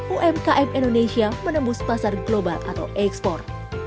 umkm indonesia menembus pasar global atau ekspor